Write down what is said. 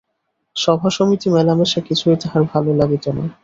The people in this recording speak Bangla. সভাসমিতি মেলামেশা কিছুই তাহার ভালো লাগিত না।